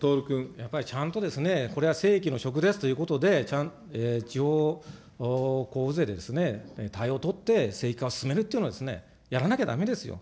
やっぱりちゃんとこれは正規の職ですということで、地方交付税で対応を取って、正規化を進めるというのやらなきゃだめですよ。